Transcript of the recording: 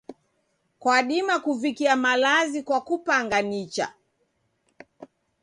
Kwadima kuvikia malazi kwa kupanga nicha.